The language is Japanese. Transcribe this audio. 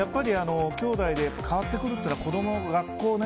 きょうだいで変わってくるのは子供の学校ね。